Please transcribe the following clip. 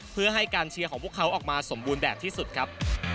เพื่อให้การเชียร์ของพวกเขาออกมาสมบูรณ์แบบที่สุดครับ